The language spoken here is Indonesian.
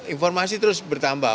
informasi terus bertambah